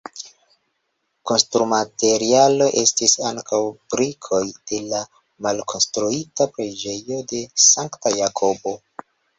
Konstrumaterialo estis ankaŭ brikoj de la malkonstruita Preĝejo de Sankta Jakobo.